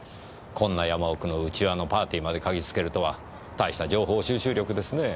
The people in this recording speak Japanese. こんな山奥の内輪のパーティーまで嗅ぎつけるとはたいした情報収集力ですねぇ。